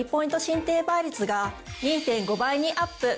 進呈倍率が２．５倍にアップ！